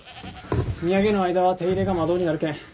荷揚げの間は手入れが間遠になるけん